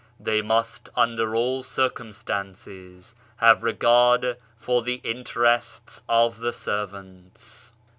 They must under all circumstances, have regard for the interests of the servants.